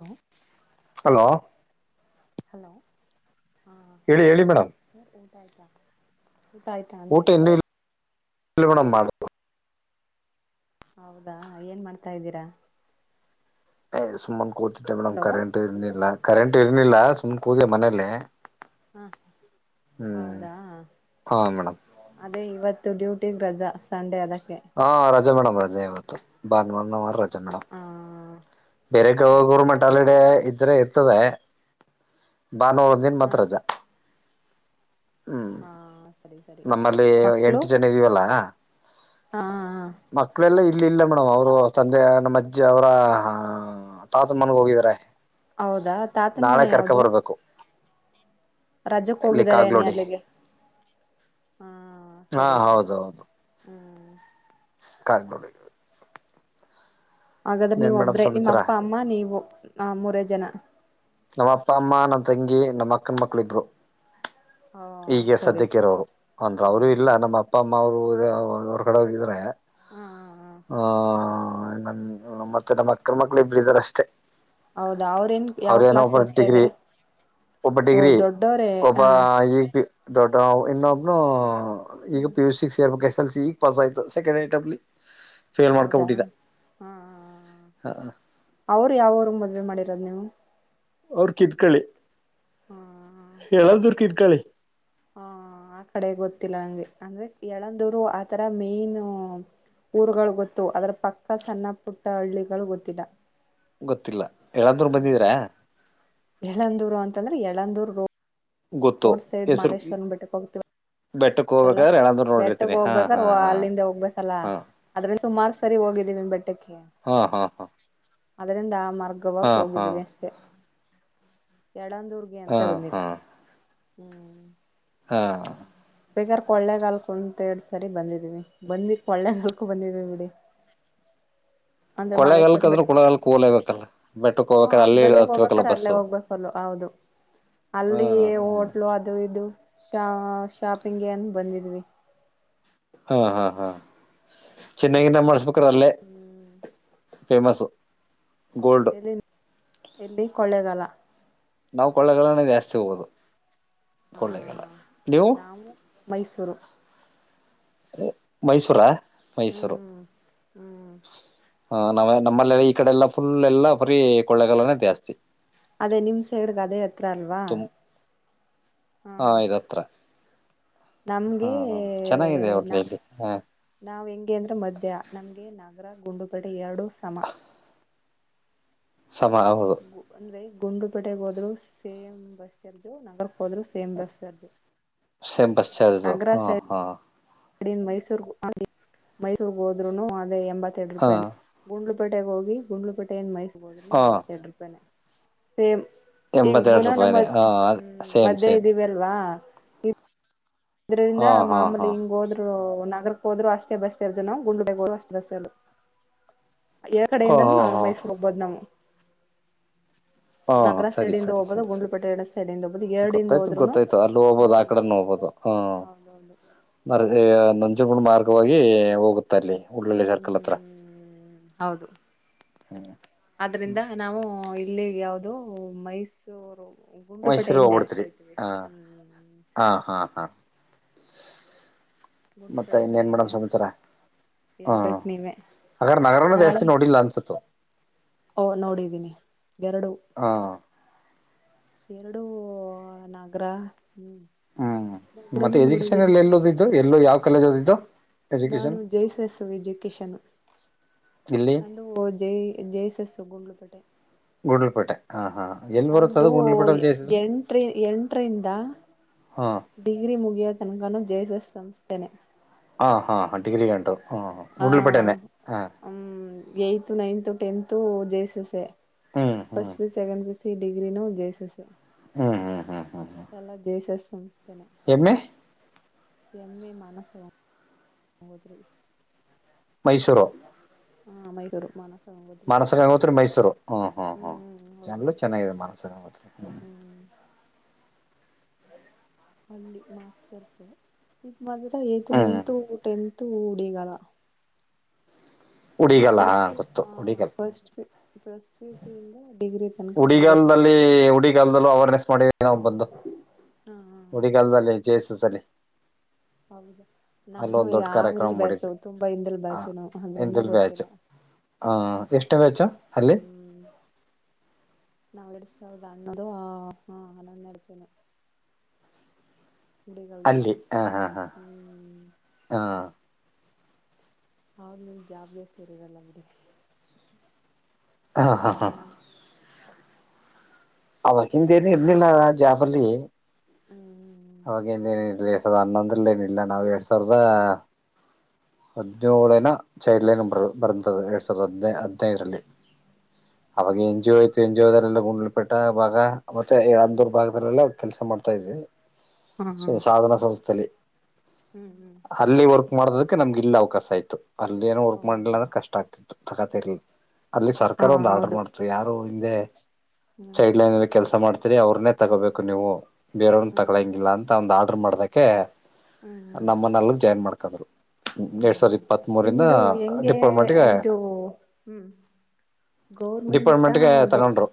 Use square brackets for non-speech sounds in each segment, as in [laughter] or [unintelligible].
Hello hello hello ಹಾ ಹೇಳಿ ಹೇಳಿ ಮೇಡಮ್ ಸರ್ ಊಟ ಆಯ್ತಾ ಊಟ ಆಯ್ತಾ ಊಟ ಅಂದೆ ಇನ್ನೂ ಇಲ್ಲ ಮೇಡಮ್ ಮಾಡ ಹೌದಾ ಏನ್ ಮಾಡ್ತಾ ಇದ್ದೀರಾ ಸುಮನ್ ಕೂತಿದ್ದೆ ಮೇಡಂ ಹಲೋ ಕರಂಟ್ ಇರಲಿಲ್ಲ ಕರೆಂಟ್ ಇಏರ್ನಿಲ್ಲ ಸುಮ್ ಕೂುದ ಮನೇಲ್ಲೇ ಹ್ಮ ಹೌದಾ ಹಾ ಮೇಡಮ್ ಅದೇ ಇವತ್ತು ಇ ಡ್ಯೂಟಿ ರಜಾ ಸಂಡೆ ಅದಕ್ಕೆ ಹಾ ರ ಜ ಮೇಮ್ ರಜೆ ಇವತ್ತು ಬಾನುವಾರ ನ ರಜೆ ಮೇಡಮ್ ಹ ಬೇರೆ ಸರಿ ಕ್ರ ಸರಿ ಮಟ್ಲ್ಡೆ ಇದ್ರೆ ಇ ಇರ್ತದೆ ಬಾ ನರ ಒಂದ ದನ್ ಹಾ ಮಾತ್ರಜಾ ಹಾ ಸರಿ ಸರಿ ನಮ್ಮಲ್ಲಿ ಮಕ್ಕಳು ಎಂಟು ಜನ ಇದೀವಲ್ಲ ಹಾ ಮಕ್ಕಳೆಲ್ಲ ಇಲ್ಲ ಇಲ್ಲ ಮೇಡಮ್ ಅವರು ತಂದೆ ನಮ್ಮ ಅಜ್ಜಿ ಅವರ ತಾತದ ಮನ್ಗ ಹೋಗಿದಿದ್ದಾರೆ ಹೌದಾ ತಾತನ್ ಮನೆ ಯಾವ್ದು. ಬರ್ಬೇಕು ರಜಕ್ ಇಲ್ಲಿ ಹೋಗಿದ್ದಾರೆ ಏನೇ ಕಾಗ್ಲೋಡಿ ಅಲ್ಲಿಗೆ ಹಾ ಹಾ ಸರಿ ಸರಿ ಹೌದೌದು ಹ್ಮ್ [inaudible] [unintelligible] ಹಾಗಾದ್ರೆ ನೀವ ಇನ್ನೇನ್ ಮೇಡಮ್ ಒಬ್ರೆ ನಿಮ್ಮ ಸಮಾಚಾರ ಅಪ್ಪ ಅಮ್ಮ ನೀವು ಹ ಮೂರೇ ಜನ ನಮ್ಮ ಅಪ್ಪ ಅಮ್ಮ ನಮ್ಮ ತಂಗಿ ನಮ್ಮ ಅಕ್ಕನ ಮಕ್ಕಳು ಇಬ್ರು ಹ ಈಗೆ ಸರಿ ಸದ್ಯಕ್ಕೆ ಸರಿ ಇರೋರು ಅಂದ್ರೆ ಅವರು ಇಲ್ಲ ಹಾ ನಮ್ಮ ಅಪ್ಪ ಅಮ್ಮ ಅವರು ಅ ಅವ್ರ ಕಡೆ ಹೋಗಿದ್ರೆ ಹ್ಮ್ ಹ್ಮ್ ಹ್ಮ್ ಹ ಹ ನನ್ ಮತ್ತೆ ನಮ್ಮ ಅಕ್ಕರ ಮಕ್ಳು ಇಬ್ಬರು ಇದ್ದಾರಷ್ಟೇ ಹೌದಾ ಅವ್ರೇನ್ ಯಾವ ಅವರೇನೋ ಕ್ಲಾಸ್ ಒಬ್ಬ ಓದ್ತಾ ಡಿಗ್ರಿ ಇದಾರೆ ಒಬ್ಬ ಓ ಡಿಗ್ರಿ ದೊಡ್ಡವ್ರೇ ಹ ಒಬ್ಬ ಈಗ ದೊಡ್ಡವ್ ಇನ್ನೊಬ್ನು ಈಗ ಪಿ ಯು ಸಿ ಸೇರಬೇಕು ಎಷ್ಟು [unintelligible] ಈಗ ಪಾಸ್ ಆಯ್ತ ಸೆಕೆಂಡ್ ಐಟಂಲಿ ಹೌದಾ ಹ ಅವ್ರು ಯಾವರು ಮದ್ವೆ ಮಾಡಿದ ಯಾರ್ ನೀವು ಅವ್ರ ಕಿತ್ಕಳ್ಳಿ [unintelligible] ಕ್ಕಳಿ ಹ ಆ ಕಡೆ ಗೊತ್ತಿಲ್ಲ ನಂಗೆ ಅಂದ್ರೆ ಯಳಂದೂರು ಆತರ ಮೇನ್ ಊರ್ಗಳು ಗೊತ್ತು ಅದ್ರ ಪಕ್ಕ ಸಣ್ಣ ಪುಟ್ಟ ಹಳ್ಳಿಗಳು ಗೊತ್ತಿಲ್ಲ ಗೊತ್ತಿಲ್ಲ ಎಲ್ಲಾದೂರು ಬಂದಿದರಾ ಎಳಂದೂರು ಅಂತಂದ್ರೆ ಎಳಂದೂರ್ಗೊ ಗೊತ್ತು ರೋಡ್ ಸೈಡ್ ಮಾಲೇಶ್ವರ್ನ್ನು ಬಿಟ್ಟಕ್ಕೆ ಹೋಗುತ್ತಿವೆ ಬೆಟ್ಟಕ್ಕೆ ಹೋಗ್ಬೇಕಾದ್ರೆ ಎಂದಾದರು ನೋಡಿರ್ತೀನಿ ಹಾ ಹಾ ಹಾ ಅಲ್ಲಿಂದ ಹೋಗ್ಬೇಕಲ್ಲ ಹಾ ಅದ್ರಲ್ಲಿ ಸುಮಾರು ಸರಿ ಹೋಗಿದ್ದೀವಿ ನಿಮ್ಮ ಬೆಟ್ಟಕ್ಕೆ ಹಾ ಹಾ ಹಾ ಅದರಿಂದ ಹಾ ಗೋವಗ್ಹೋಗಿದ್ದೀವಿ ಅಷ್ಟೇ. ಎಡಂದೂರ್ಗೆ ಹಾ ಅಂತ ಹಾ ಹಾ ಬಂದಿಲ್ಲ ಹಾ ಹ್ಮ್ ಹಾ ಬೇಗಾರ್ ಕೊಳ್ಳೆಗಾಲಕ್ಕ ಒಂದೆರಡು ಸಾರಿ ಬಂದಿದ್ದೀನವಿ ಬಂದಿ ಕೊಳ್ಳೆಗಾಲಕ್ಕೂ ಬಂದಿದ್ದಿವಿ ಬಿಡಿ ಅಂದ್ರೆ ಮಲ್ಲೇಶ್ವರ ಕೊಳ್ಳೇಗಾಲಕ್ ಅಂದ್ರೂ ಬೆಟ್ಟ ಕೊಳ್ಳೇಗಾಲಕ್ ಹೋಗ್ಲೇಬೇಕಲ್ಲ ಬೆಟ್ಟಕ್ ಹೂಂ ಹೋಗ್ಬೇಕಾದ್ರೆ ಅಲ್ ಅಲ್ಲೇ ಬೆಟ್ಟಕ್ಕೆ ಹತ್ಬೇಕಲ್ಲ ಹೋಗ್ಬೇಕಾದ್ರೆ ಅಲ್ಲೇ ಬಸ್ಸು ಹೋಗ್ಬೇಕಲ್ಲು ಹೌದು ಹಾ ಅಲ್ಲಿ ಹೋಟ್ಲು ಅದು ಇದು ಶಾ ಶಾಪಿಂಗ್ ಏನ್ ಬಂದಿದ್ವಿ ಹಾ ಹಾ ಹಾ ಚೆನ್ನಾಗಿ ನ ಮಾಡಸ್ಬೇ ಹ್ಮ್ ಫೇಮಸ್ ಎಲ್ಲಿ ಎಲ್ಲಿ ಕೊಳ್ಳೇಗಾಲ ನಾವು ಕೊಳ್ಳೇಗಾಲನೆ ಜಾಸ್ತಿ ಹೋಗೋದು. ಹಾ ಕೊಳ್ಳೇಗಾಲ ನೀವು ನಾವು ಮೈಸೂರು ಮೈಸೂರಾ ಮೈಸೂರು ಹ್ಮ್ ಹ್ಮ್ ಹ ನಾವ ನಮ್ಮಲ್ಲೆಲ್ಲ ಈ ಕಡೆಲ್ಲಾ ಫುಲ್ ಎಲ್ಲಾ ಬರೀ ಕೊಳ್ಳಗಲ್ಲಾನೇ ಜಾಸ್ತಿ ತ್ರ ಅಲ್ವಾ ತುಮ್ ಹಾ ಇದತ್ರ ನಮ್ಗೆ ಹಾ ಚೆನ್ನಾಗಿದೆ ನಾ ಒಟ್ನಲ್ಲಿ ಹಾ ನಾವ್ ಹೆಂಗೆ ಅಂದ್ರೆ ಮದ ನಮ್ಗೆ ನನ್ ಗುಂಡುಪೇಟೆ ಎರಡು ಸಮ ಸಮ ಹೌದು ವು ಅಂದ್ರೆ ಗುಂಡ್ಲುಪೇಟೆಗೆ ಹೋದ್ರು ಸೇಮ್ ಬಸ್ ಚಾರ್ಜು ನಗರ್ ಕ್ಕ್ ಹೋದ್ರು same bus charge. Same bus charge ಹಾ ಹಾ ನೀವ್ ಮೈಸೂರ್ಗ್ ಅಂದ್ರೆ ಮೈಸೂರ್ಗೋದ್ರೂನು ಆ ಈಗ ಎಂಬತ್ತೆರಡ್ ಹಾ ರೂಪಾಯಿನೆ ಗುಂಡ್ಲು ಪೇಟೆಗ್ ಹೋಗಿ ಗುಂಡ್ಲುಪೇಟೆಯಿಂದ್ ಮೈಸೂ ಗೋದ್ರೂನು ಹಾ ಎಂಬತ್ತೆಡ್ ರೂಪಾಯ್ನೆ. ಸೇರಿ ಈಗ ಎಂಬತ್ತೆರಡು ಬುನಾನ ರೂಪಾಯಿನೇ ಮತ್ ಹಾ ಅದೇ ಹ್ಮ ಸೇಮ್ ಮದ್ಯ ಸೇಮ್ ಇದ್ದೀವಿ ಅಲ್ವಾ [unintelligible] ಇದ್ರಿಂದ ಹಾ ಹಾ ಮಾಮೂಲಿ ಹಾ ಹಿಂಗ್ ಹೋದ್ರು ನಗರಕ್ ಹೋದ್ರು ಅಷ್ಟೇ ಬಸ್ ಚಾರ್ಜುನು ಗುಂಡ್ ಬಗ್ ಹೋದ್ರುನು ಅಷ್ಟೇ ಬಸ್ಸಲ್ಲಿ ಯ ಹಾ ಕಡೆಯಿಂದನ್ನ್ ಹಾ ಮೈಸೂರ್ ಹೋಗ್ಬೋದ್ ನಾವು. ಹಾ ನಗರ ಸರಿ ಸೈಡಿಂದ ಸರಿ ಹೋಗ್ಬೋದು ಸರಿ ಸರಿ ಗುಂಡ್ಲುಪೇಟೆ ಸೈಡಿಂದ ಹೋಗ್ಬೋದು ಎರಡಿಂದ ಗೊತ್ತಾಯ್ತು ಹೋದ್ರುನು ಗೊತ್ತಾಯ್ತು ಅಲ್ಲಿ ಹೋಗ್ಬೋದು ಆ ಹ್ಮ್ ಕಡೆ ಹೋಗ್ಬೋದು ಹ ಹೌದೌದು ನ [unintelligible] ಳು ಮಾರ್ಗವಾಗಿ ಹೋಗು ಹ್ಮ ಹ್ಮ್ ಹ್ಮ ಹೌದು ಆದ್ರಿಂದ ನಾವು ಇಲ್ಲಿ ಯಾವ್ ದು ಮೈಸೂರು ಮೈಸೂರು ಗುಂಡುಪೇಟೆಯಿಂದ ಜಾಸ್ತಿ ಹೋಗ್ಬಿಡ್ತಿರಿ ಹೋಯ್ತೀವಿ ಹ ಹ್ಮ್ ಹಾ ಹಾ ಹಾ [inaudible] ಮತ್ತೆ ಗುಂಡುಪೇಟೆ ಇನ್ನೇನ್ ಮೇಡಮ್ ಕಡೆಯಿಂದಾಸ್ ಸಮಾಚಾರ ಹಾ ಹೇಳ್ಬೇಕು ನೀವೇ ಹಾಗಾದ್ರೆ ನಗರನ ನಾಳೆ ಜಾಸ್ತಿ ನೋಡಿಲ್ಲ ಅನ್ಸತ್ತು ಓ ನೋಡಿದ್ದೀನಿ. ಎರಡು ಹಾ ಎರಡೂ ನಗರ ಹ್ಮ್ ಹ್ಮ್ ನಗರನು ಮತ್ತೆ ನೋಡಿದ್ದೀನಿ ಎಜುಕೇಶನ್ನೆಲ್ ಎಲ್ಲು ಓದಿದ್ದು ಎಲ್ಲು ಯಾವ್ ಕಾಲೇಜ್ ಓದಿದ್ದು. ನಾನು ಎಜುಕೇಶನ್ ಜೈಸಸ್ ಎಜುಕಷನ್ ಇಲ್ಲಿ ಅಂದು ಜೈ ಜೈಸೆಸ್ ನು ಗುಂಡ್ಲುಪೇಟೆ. ಗುಂಡ್ಲುಪೇಟೆ ಹಾ ಹಾ. ಎಲ್ಲಿ ಬರುತ್ತೆ ನಂದು ಅದು ಗುಂಡ್ಲುಪೇಟೆಲ್ಲಿ ಜೆ ಎಸ್ ಎಸ್ ಎಂಟ್ರ ಎಂಟರಿಂದ ಹಾ ಡಿಗ್ರಿ ಮುಗಿಯೋ ತನಕನೂ ಜೆ ಎಸ್ ಎಸ್ ಸಂಸ್ಥನೆ. ಹಾ ಹಾ ಡಿಗ್ರಿ ಗಂಟ. ಹಾ ಹ್ಮ್ ಏತ್ ನೈನ್ತ್ ಟೆಂತ್ ತು ಜೆ ಎಸ್ ಎಸ್ಸೇ. ಹ್ಮ್ ಹ್ಮ್ first P U second P U C ಡಿಗ್ರಿನು ಜೈಸಿಸ್ಸೇ. ಹ್ಮ ಹ್ಮ ಹ್ಮ ಹ್ಮ್ ಹ್ಮ್ ಎಲ್ಲ ಜೆ ಎಸ್ ಎಸ್ ಸಂಸ್ ತೆನೆ. ಎಮ್ಮೆ ಎಂ ಎ ಮಾನಸ ಗಂಗೋತ್ರಿ. ಮೈಸೂರು ಹಾ ಮೈಸೂರು ಮಾನ ಮಾನಸಗಂಗೋತ್ರಿ ಮೈಸೂರು ಹ್ಮ ಹ್ಮ್ ಹ್ಮ್ ಅಲ್ಲೂ ಚೆನ್ನಾಗಿದೆ ಮಾನಸ ಗಂಗೋತ್ರಿ. ಹ್ಮ್ ಅಲ್ಲಿ ಮಾಸ್ಟರ್ಸು ಹ್ಮ್ ನಗರ ಏಯ್ತ್ ಹ್ಮ್ ನೈನ್ತ್ ಟೆಂತ್ ತು ಉಡಿಗಲ ಹ ಉಡಿಗಲ್ಲ ಹಾ ಫಸ್ಟ್ ಪ್ಯು ಗೊತ್ತು ಆ ಉಡಿಗಲ್ ಫಸ್ಟ್ ಪ್ ಫಸ್ಟ್ ಪಿ ಯು ಸಿ ಇಂದ ಡಿಗ್ರಿ ತನಕ ಒಂದೇ ಉಡಿಗಾಲದಲ್ಲಿ ಕಾಲೇಜು ಉಡಿಗಾಲದಲ್ಲೂ ಅವೇರ್ನೆಸ್ ಮಾಡಿ ಅಣ ಬಂದೆ. ಉಡಿಗಾಲದಲ್ಲಿ ಜೇಸಿಸ್ ದಲಿ ಹೌದು ನಾವು ಈ ಯಾವ್ಲಿ ಕಾರ್ಯಕ್ರಮ ಬ್ಯಾಚು ಮಾಡಿದ್ವಿ ಹೊಯ್ ತುಂಬಾ ಹಿಂದಲ್ ಹ ಬ್ಯಾಚುನು ಅಂದ್ರಿಂದ ಗೊತ್ತಿಲ್ಲ. ಹ್ಮ್ ಎಷ್ಟನೇ ಬ್ಯಾಚ್. ಅಲ್ಲಿ ಹ್ಮ್ ನಾವು ಎರಡು ಸಾವಿರದ ಹನ್ನೊಂದು ಆ ಹಾ ಹನ್ನೊಂದ್ ನಡಚನೆ. ಅಲ್ಲಿ ಆ ಹಾ ಹಾ ಹ್ಮ್ ಹಾ ಆ ಅವಾಗ್ ನೀವ್ ಜಾಬ್ಗೆ ಸೇರಿರಲ್ಲ ಬಿಡಿ. ಹ ಹಾ ಹಾ ಹ್ಮ್ ಅವತ್ತಿಂದ್ದೇನು ಇರ್ಲಿಲ್ಲ ನಾವ್ ಜಾಬಲ್ಲಿ ಹ್ಮ್ ಅವಾಗೇಂದ ಏನೇನಿಲ್ಲ ಎರಡ್ ಸಾವಿರದ ಹನ್ನೊಂದ್ರಲ್ಲಿ ಏನಿಲ್ಲ ನಾವ್ ಎರಡ್ ಸಾವಿರದ ಹದಿನೇಳೇನ ಚೈಲ್ಡ್ ಲೈನ್ ಹ್ಮ್ ಬರ್ದ್ ಎರಡ್ ಸಾವಿರದ ಹದ್ ದ್ರೆ ಹದ್ನೈದ್ರಲ್ಲಿ ಅವಾಗ ಹ್ಮ್ ಏನ್ ಜಿ ಓ ಚೆಂಜ್ ಜೇಗಾರಿಂದ ಗುಂಡ್ಲು ಪೇಟೆ ಭಾಗ ಮತ್ತೆ ಅಂದೂರ್ ಭಾಗದಲ್ಲೆಲ್ಲ ಕೆಲಸ ಮಾಡ್ತಾ ಇದ್ವಿ. ಹಾ ಹಾ ಸಾಧನಾ ಸಂಸ್ಥೆಯಲ್ಲಿ. ಹ್ಮ್ ಹ್ಮ್ ಅಲ್ಲಿ ವರ್ಕ್ ಮಾಡೋದಕ್ಕೆ ನಮ್ಗೆ ಇಲ್ಲಿ ಅವಕಾಶ ಆಯ್ತು. ಅಲ್ಲಿ ಏನ್ ವರ್ಕ್ ಓ ಮಾಡ್ಲಿಲ್ಲಂದ್ರೆ ಕಷ್ಟ ಆಗ್ತಿತ್ತು. ತಗತಾ ಇರಿ. ಅಲ್ಲಿ ಹಾ ಸರ್ಕಾರ ಒಂದ್ ಆರ್ಡರ್ ಹೌದು ಮಾಡ್ತು, ಯಾರೊ ಅಂದೆ. ಹ್ಮ್ ಚೈಲ್ಡ್ ಲೈನ್ಲಿ ಕೆಲಸ ಮಾಡ್ ರಿ ಅವ್ರನ್ನೇ ತಗೋಬೇಕು ನೀವು, ಬೇರೆ ಹ್ಮ್ ಹ್ಮ್ ತಗಳಂಗಿಲ್ಲ ಅಂತ [unintelligible] ಮಾಡದಕ್ಕೆ ಹ್ಮ್ ಹ್ಮ್ ನಮ್ಮನ್ನೆಲ್ಲ ಜಾಯ್ನ್ ಮಾಡ್ಕ ಕದರು ಹಾ ನಿಮ್ದು ಹೆಂಗೆ ಡಿಪಾರ್ಟ್ಮೆಂಟ್ಗೆ ಇದು ಹ್ಮ್ ಗೌರ್ಮೆಂಟ, ಡಿಪಾರ್ಟ್ಮೆಂಟ್ಗೆ ಗ ತಗೊಂಡ್ರು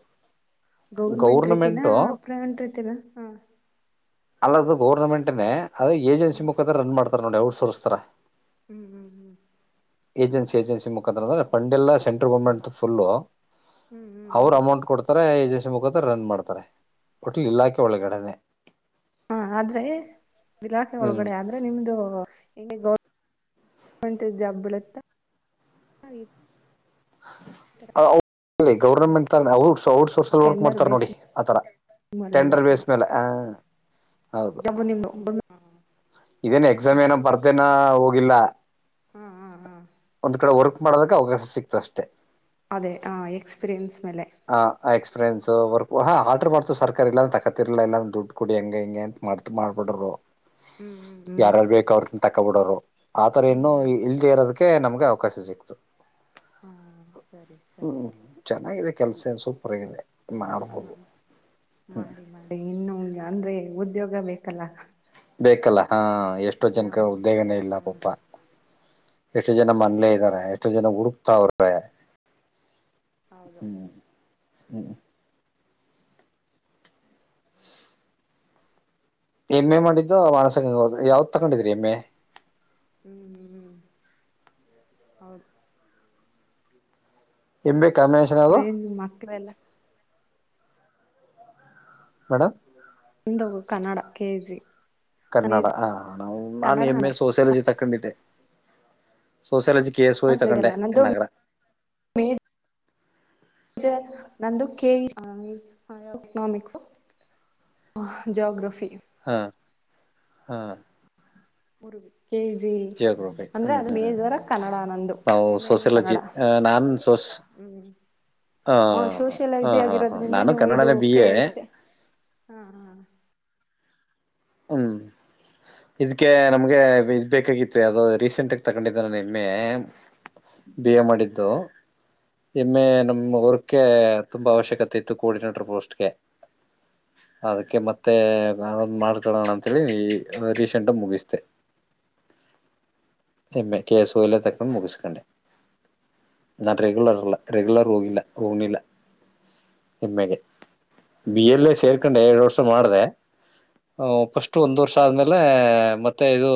ಗೌರ್ಮೆಂಟ್ ರೀತಿನ ಗೌರ್ನಮೆಂಟು ಪ್ರೈವಂಟ್ ರೀತಿನ ಹ? ಅಲ್ಲದು ಗೌರ್ನಮೆಂಟೆನೆ ಅದ್ರೆ ಏಜನ್ಸಿ ಹ್ಮ್ ಮುಖಾಂತರ ರನ್ ಮಾಡ್ ತರ್ ನೋಡ್ ಔಟ್ ಸೋರ್ಸ್ ತರ ಹ್ಮ್ ಹ್ಮ್ ಹ್ಮ್ ಏಜೆನ್ಸಿ ಏಜನ್ಸಿ ಮುಖಾಂತರ ಫಂಡ್ ಎಲ್ಲಾ ಸೆಂಟ್ರಲ್ ಗರ್ಮೆಂಟ್ದು ಪುಲ್ಲು ಹ್ಮ್ ಹ್ಮ್ ಅವ್ರು ಹ್ಮ್ ಅಮೌಂಟ್ ಕೊಡ್ತಾರೆ ಜಸ್ ಮುಖಾಂತರ ರನ್ ಮಾಡ್ತಾರೆ ಒಟ್ ಇಲಾಖೆ ಒಳಗಡೆನೆ. ಹಾ ಆದ್ರೆ ಇಲಾಖೆ ಒಳಗಡೆ ಆದ್ರೆ ನಿಮ್ದು ಈ ಗೌರ್ನ್ ಅಂತ್ ಇದ್ ಯಾವ್ದ್ ಬೀಳತ್ತೆ. ಅ ಅವ್ ಅಲ್ಲಿ ಗೌರ್ನಮೆಂಟ್ ಔ ಔಟ್ ಸೋರ್ಸಲ್ ವರ್ಕ್ ಟೆಂಡರ್ ಮಾಡ್ತಾರೆ ಬೇಸ್ ನೋಡಿ ಆತರ ಮೇಲೆ ಟೆಂಡರ್ ಬೀಳುತ್ತಾ ಬೇಸ್ ಮೇಲೆ ಹ ಹೌದು ಜಾಬ್ ನಿಮ್ದು ಇದೇನ್ ಎಕ್ಸಾಮ್ ಏನ ಬರ್ದೇನ ಹೋಗಿಲ್ಲ. ಹ್ಮ್ ಹ್ಮ್ ಹ್ಮ್ ಒಂದ್ ಕಡೆ ವರ್ಕ್ ಮಾಡೋದಕ್ಕೆ ಅವಕಾಶ ಸಿಕ್ತು ಅಷ್ಟೇ ಅದೇ ಹ ಎಕ್ಸ್ಪಿರಿಯನ್ಸ್ ಮೇಲೆ ಫ್ರೆಂಡ್ಸ್ ವರ್ ಹಾ ಆರ್ಡರ್ ಮಾಡ್ತ ಸರ್ಕಾರ ಇಲ್ಲಂದ ತಕತಿರ್ಲಿಲ್ಲ ಇಾಂದ ದುಡ್ಡು ಕೊಡಿ ಹೆಂಗ ಹಿಂಗೆ ಅಂತ ಮಾಡ್ತ ಮಾಡ್ಬಿಡರು ಹ್ಮ್ ಹ್ಮ್ ಹ್ಮ್ ತಕ್ಕ ಬಿಡರೋ ಆತರ ಹ್ಮ್ ಇನ್ನೂ ಹ್ಮ್ ಇಲ್ದೇ ಇರೋದಕ್ಕೆ ನಮ್ಗೆ ಅವಕಾಶ ಸಿಕ್ತು ಹ್ಮ ಸರಿ ಸರಿ ಹ್ಮ್ ಚೆನ್ನಾಗಿದೆ ಕೆಲ್ಸ ಸೂಪರ್ ಆಗಿದೆ ಮಾಡ್ಬೋದು ಹಾ ಮಾಡಿ ಮಾಡಿ ಇನ್ನು ಅಂದ್ರೆ ಉದ್ಯೋಗ ಬೇಕು ಲ್ಲ ಬೇಕಲ್ಲ ಹಾ ಎಷ್ಟೋ ಜನಕ ಬಗ್ಗೆ. ಉದ್ದೇಗನೇ ಇಲ್ಲ ಪಪ ಹ್ಮ್ ಎಷ್ಟು ಜನ ಮನ್ಲೇ ಇದ್ದಾರೆ ಎಷ್ಟು ಜನ ಹುಡುಕ್ತಾವ್ರೆ ಹೌದು ಹ್ಮ್ ಹ್ಮ್ ಎಮ್ ಎ ಮಾಡಿದ್ದು ಮಾನಸಂಗ ಯಾವ್ದ್ ತಗೊಂಡಿದ್ರಿ ಎಮ್ ಎ ಹ್ಮ್ ಹ್ಮ್ ಹ್ಮ್ ಹೌದು ಎಂಬೆ ಬ್ರೆನ್ ಮಕ್ಕರೆಲಾ ಮೇಡ ಕನ್ನಡ ಕೆ ಜಿ ಕನ್ನಡ ಹ ನಾನು ಎಮ ಎ ಸೋಶಿಯಾಲಜಿ ತ ಕ sociology. K S O U ತೊಗೊಂಡೆ ಅನ್ಸಲ್ಲ ಕಂಡೆ ನಂದು ನಗರ. ಜ ನಂದು ಕೆ [unintelligible] ಎಕನಾಮಿಕ್ಸ್ ಜೋಗ್ರಫಿ. ಹಾ ಹಾ. ಉರುಗ. ಕೆ ಜಿ ಜಿಯೋಗ್ರಫಿ ಅಂದ್ರೆ ಹ್ಮ್ ಅದು ಹ್ಮ್ ಹ್ಮ್ ಮೇಜರ ಆಗಿ ಕನ್ನಡ ನಂದು ನಾವು ಎಮಇನ್ ಕನ್ನಡ ಸೋಸಿಯಾಲಜಿ ನಾನ್ ಸೋಸ್ ಹ್ಮ ಹ ಹಾ ಸೋಷಿಯಲಜಿ ಹಾ ಹಾ ಆಗಿರೋದ್ರಿಂದ ನಾನು ನೀವು ಇದು ಕನ್ನಡನೇ ಬಿ ಎ ಹ ಹ. ಹ್ಮ ಇದಕ್ಕೆ ನಮ್ಗೆ ಇದ್ ಬೇಕಾಗಿತ್ತು ಅಾವೋ ರೀಸೆಂಟ್ಗ ತಗೊಂಡಿದ್ದೆ ನು ಎಮ್ಮೆ ಬಿ ಎ ಮಾಡಿದ್ದು ಎಮ್ಮೆ ನಮ ವರ್ಕ್ಕೆ ತುಂಬಾ ಅವಶ್ಯಕತೆ ಇತ್ತು ಕೋಆರ್ಡಿನೇಟರ್ ಪೋಸ್ಟ್ಗೆ ಅದಕ್ಕೆ ಮತ್ತೆ ರೋಣ ಅಂತ ಹೇಳಿ ರೀಸೆಂಟ್ ಮುಗಿಸತೆ. ಹೆಮ್ಮೆ ಕೆ ಎಸ್ ಒಯಲೆ ತಕೊಂಡು ಮುಗಿಸ್ಕೊಂಡೆ ನನು ರೆಗ್ಯುಲರ್ ಅಲ್ಲ ರೆಗ್ಯುಲರ್ ಹೋಗಿಲ್ಲ ಹೋಗಿಲ್ಲ ಹೆಮ್ಮೆಗೆ ಬಿ ಎಲ್ಲ ಸೇರ್ಕೊಂಡೆ ಎಏ ವರ್ಷ ಮಾಡ್ದ ಫಸ್ಟ್ ಒಂದ್ ವರ್ಷ ಆದ್ಮೇಲೆ ಮತ್ತೆ ಇದು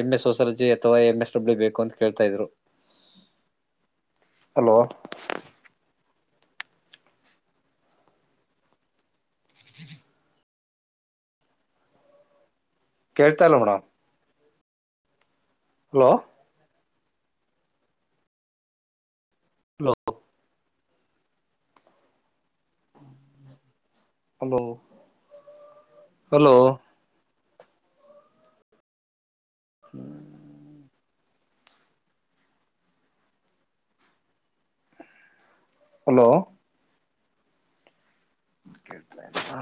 ಎಮ್ ಎಸ್ ಸೊಶಾಲಜಿ ಅಥವಾ ಎಂ ಎಸ್ ಡಬ್ಲ್ಯೂ ಬೇಕು ಅಂತ ಕೇಳ್ತಾ ಇದ್ರು. ಕೇಳ್ತಲ್ಲ ಅವನು. ಹಲೋ. ಹಲೋ. Hello hello. ಹ್ಮ ಹಲೋ. ಕೇಳ್ತಾಯ್ತಾ.